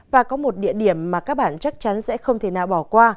và có một địa điểm mà các bạn chắc chắn sẽ không thể nào bỏ qua